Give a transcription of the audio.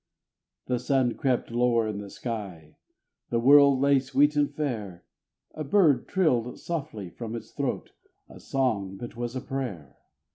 The sun crept lower in the sky, the world lay sweet and fair, A bird trilled softly from its throat a song that was a prayer.